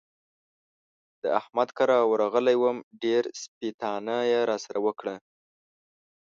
د احمد کره ورغلی وم؛ ډېره سپېتانه يې را سره وکړه.